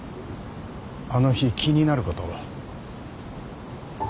あの日気になることを。